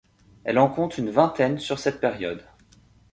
Elle en compte une vingtaine sur cette période.